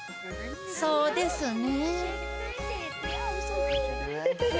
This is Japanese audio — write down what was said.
そうですね。